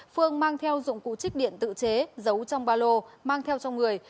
phương mang theo dụng cụ trích điện tự chế giấu trong ba lô mang theo trong người